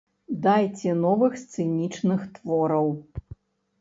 Дайце новых сцэнічных твораў!